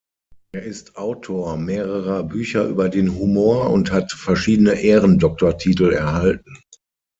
Er ist Autor mehrerer Bücher über den Humor und hat verschiedene Ehrendoktortitel erhalten.